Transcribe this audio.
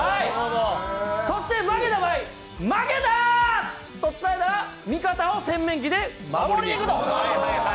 そして負けた場合、負けた！と伝えたら味方を洗面器で守りにいくと。